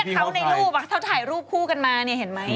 ก็เจ็บเขาในรูปอะเขาถ่ายรูปคู่กันมาเนี่ยเห็นมั้ย